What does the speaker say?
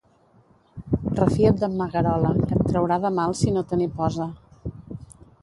Refia't d'en Magarola, que et traurà de mal si no te n'hi posa.